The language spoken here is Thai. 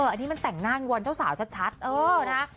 อันนี้มันแต่งหน้างอนเจ้าสาวชัดเออนะ